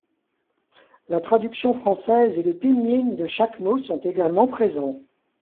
La traduction française et le pinyin de chaque mot sont également présents.